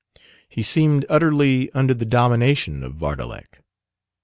He seemed utterly under the domination of Vardalek.